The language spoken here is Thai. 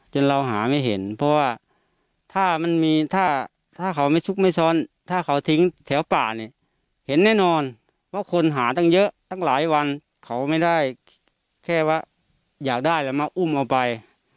จนเราหาไม่เห็นเพราะว่าถ้ามันมีถ้าเขาไม่ซุกไม่ซ้อนถ้าเขาทิ้งแถวป่าเนี่ยเห็นแน่นอนว่าคนหาตั้งเยอะตั้งหลายวันเขาไม่ได้แค่ว่าอยากได้แล้วมาอุ้มเอาไป